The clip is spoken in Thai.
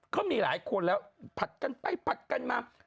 เขามีหลายคนแล้วผัดกันไปผัดกันมา